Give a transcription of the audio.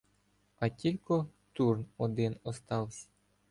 А тілько Турн один оставсь.